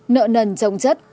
nợ nần trồng chất